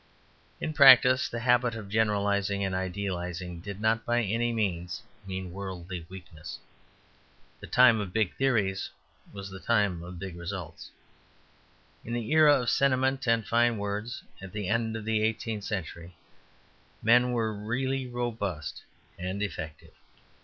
In practice, the habit of generalizing and idealizing did not by any means mean worldly weakness. The time of big theories was the time of big results. In the era of sentiment and fine words, at the end of the eighteenth century, men were really robust and effective.